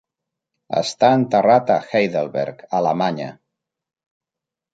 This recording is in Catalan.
Està enterrat a Heidelberg, Alemanya.